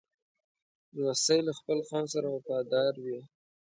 لمسی له خپل قوم سره وفادار وي.